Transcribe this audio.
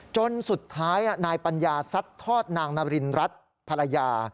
จนสุดท้ายนายปัญญาซัดทอดนางนารินรัฐภรรยา